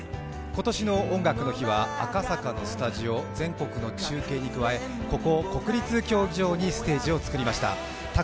今年の「音楽の日」は赤坂のスタジオ、全国の中継に加えここ、国立競技場にステージを作りました。